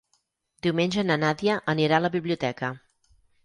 Diumenge na Nàdia anirà a la biblioteca.